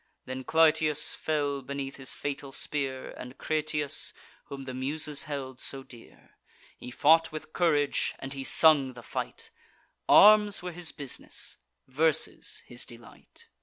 Then Clytius fell beneath his fatal spear, And Creteus, whom the Muses held so dear: He fought with courage, and he sung the fight; Arms were his bus'ness, verses his delight.